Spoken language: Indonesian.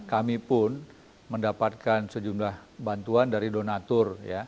kami pun mendapatkan sejumlah bantuan dari donatur